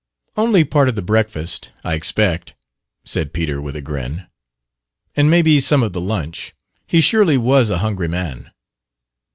"Only part of the breakfast, I expect," said Peter, with a grin. "And maybe some of the lunch. He surely was a hungry man!"